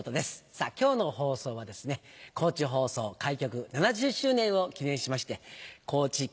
さぁ今日の放送はですね高知放送開局７０周年を記念しまして。